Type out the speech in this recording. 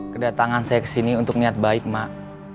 kedatangan saya kesini untuk niat baik mak